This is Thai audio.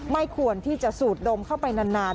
ไม่ควรที่จะสูดดมเข้าไปนาน